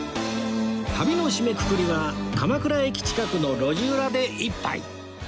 旅の締めくくりは鎌倉駅近くの路地裏で一杯